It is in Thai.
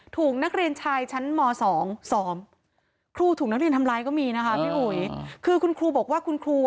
ถูกนักเรียนชายชั้นมสองสอบโอ๊ยคือคุณครูบอกว่าคุณครู